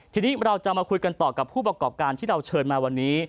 ทีนี้เราจะมาคุยกันต่อกับผู้ประกอบการที่เราเชิญมาวันนี้